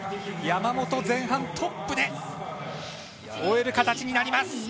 山本前半トップで終える形になります。